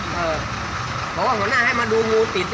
เมืองเศร้าสูงกิจ